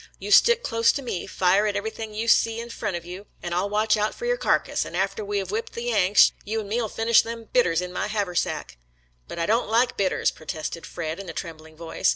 You stick close to me, fire at everything you see in front of you, and I'll watch out for your carcass, and after we have whipped the Yanks you an' me'U finish them bitters in my haversack." "But I don't like bitters," protested Fred in a trembling voice.